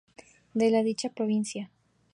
De la dicha provincia.